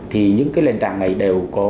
thì những nền tảng này đều có